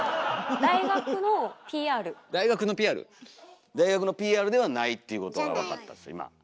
大学のＰＲではないっていうことが分かったんです今。